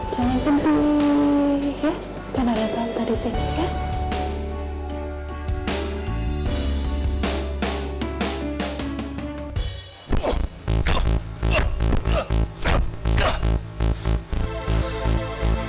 jangan sampai ya karena ranta di sini ya